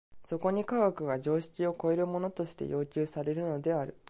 そこに科学が常識を超えるものとして要求されるのである。